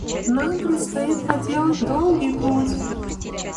Нам предстоит проделать долгий путь.